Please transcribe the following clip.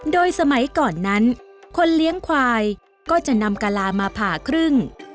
โดยสมัยก่อนนั้นคนเลี้ยงควายก็จะนำกะลามาผ่าครึ่ง